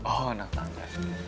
oh anak ketangga